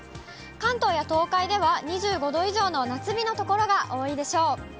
関東や東海では２５度以上の夏日の所が多いでしょう。